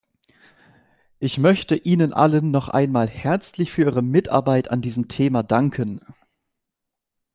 Ich möchte Ihnen allen noch einmal herzlich für Ihre Mitarbeit an diesem Thema danken.